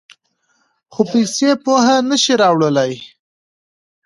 خو پیسې پوهه نه شي راوړلی.